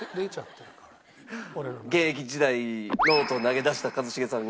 現役時代ノートを投げ出した一茂さんが？